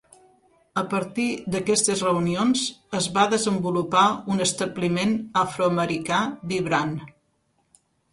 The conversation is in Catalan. A partir d'aquestes reunions, es va desenvolupar un establiment afroamericà vibrant.